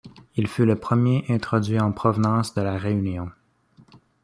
Il fut le premier introduit en provenance de la Réunion.